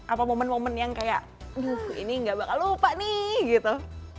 apa momen momen yang kayak ini gak bakal lupa nih gitu